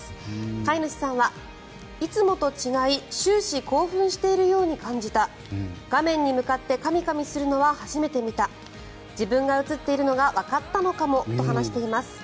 飼い主さんは、いつもと違い終始興奮しているように感じた画面に向かってかみかみするのは初めて見た自分が映っているのがわかったのかもと話しています。